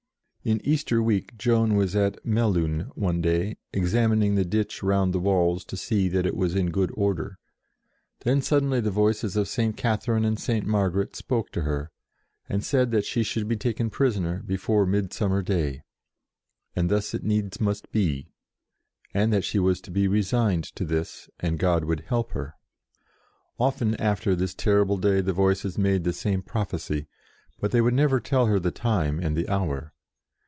In Easter Week Joan was at Melun one day, examining the ditch round the walls to see that it was in good order. Then sud denly the Voices of St Catherine and St. Margaret spoke to her, and said that she EVIL PROPHESIED 83 should be taken prisoner before Midsummer day, " and thus it needs must be," and that she was to be resigned to this, and God would help her. Often after this terrible day the Voices made the same prophecy, but they would never tell her the time and the hour.